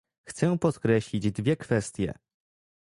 Chcę podkreślić dwie kwestie